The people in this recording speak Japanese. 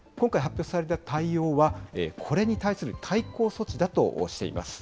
今回発表された対応は、これに対する対抗措置だとしています。